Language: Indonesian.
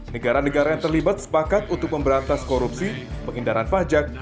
negara negara yang terlibat sepakat untuk memberantas korupsi pengindaran pajak